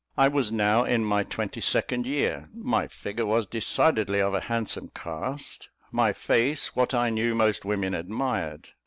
I was now in my twenty second year; my figure was decidedly of a handsome cast; my face, what I knew most women admired.